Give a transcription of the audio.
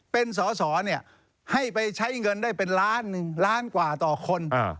เป็นสอสอให้ไปใช้เงินได้เป็นล้าน๑ล้านกว่าต่อคน